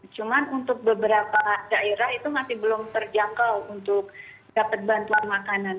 cuman untuk beberapa daerah itu masih belum terjangkau untuk dapat bantuan makanan